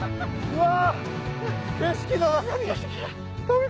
うわ！